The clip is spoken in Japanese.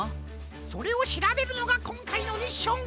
それをしらべるのがこんかいのミッション！